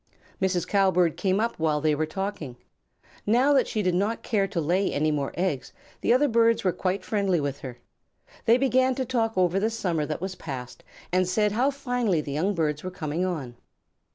Mrs. Cowbird came up while they were talking. Now that she did not care to lay any more eggs, the other birds were quite friendly with her. They began to talk over the summer that was past, and said how finely the young birds were coming on.